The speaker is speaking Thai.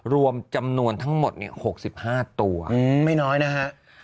รวมจำนวนทั้งหมด๖๕ตัวไม่น้อยนะฮะ